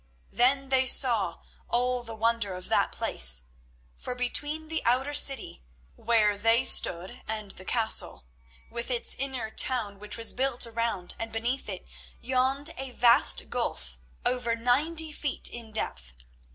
Then they saw all the wonder of that place, for between the outer city where they stood and the castle, with its inner town which was built around and beneath it yawned a vast gulf over ninety feet in depth.